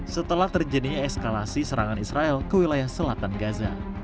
setelah terjadinya eskalasi serangan israel ke wilayah selatan gaza